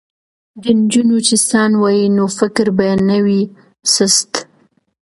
که نجونې چیستان ووايي نو فکر به نه وي سست.